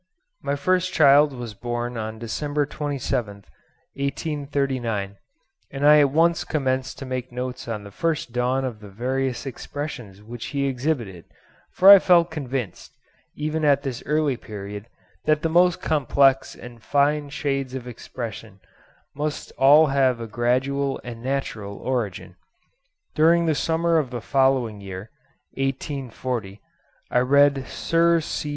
My first child was born on December 27th, 1839, and I at once commenced to make notes on the first dawn of the various expressions which he exhibited, for I felt convinced, even at this early period, that the most complex and fine shades of expression must all have had a gradual and natural origin. During the summer of the following year, 1840, I read Sir C.